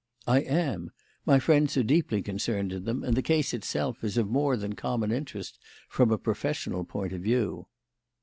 "I am. My friends are deeply concerned in them, and the case itself is of more than common interest from a professional point of view."